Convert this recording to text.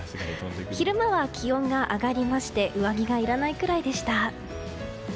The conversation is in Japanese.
昼間は気温が上がりまして上着がいらないくらいでした。